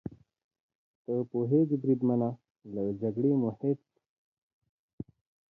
ته پوهېږې بریدمنه، له جګړې مو هېڅ.